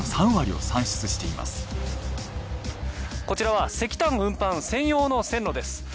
こちらは石炭運搬専用の線路です。